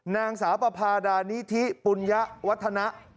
นางสาวประพาดานิธิปุญญะวัฒนะ